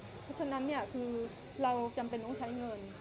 เพราะฉะนั้นเนี่ยคือเราจำเป็นต้องใช้เงิน